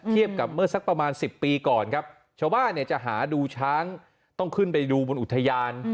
กับเมื่อสักประมาณ๑๐ปีก่อนครับชาวบ้านเนี่ยจะหาดูช้างต้องขึ้นไปดูบนอุทยาน